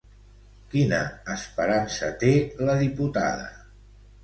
Quina esperança té la diputada?